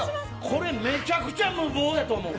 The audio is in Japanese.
これめちゃくちゃ無謀だと思う。